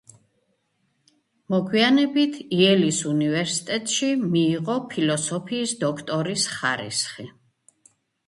მოგვიანებით იელის უნივერსიტეტში მიიღო ფილოსოფიის დოქტორის ხარისხი.